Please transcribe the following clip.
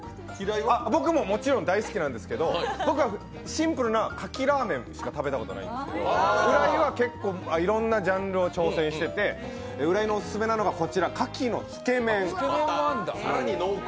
僕ももちろん大好きなんですけど僕はシンプルな牡蠣ラーメンしか食べたことないんですけど、浦井は結構、いろんなジャンルを挑戦してて浦井のオススメなのが、牡蠣のつけ麺。